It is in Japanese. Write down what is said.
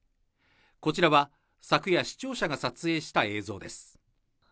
こちらは昨夜、視聴者が撮影した映像です。